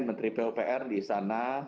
menteri pupr di sana